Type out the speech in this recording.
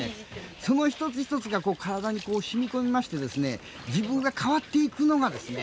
その一つ一つが体に染み込みまして自分が変わっていくのがですね